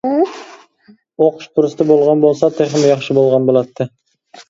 ئوقۇش پۇرسىتى بولغان بولسا تېخىمۇ ياخشى بولغان بولاتتى.